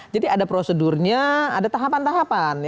jadi ada prosedurnya ada tahapan tahapan